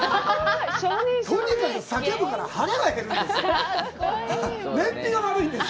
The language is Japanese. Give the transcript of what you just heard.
とにかく、叫ぶから、腹が減るんです。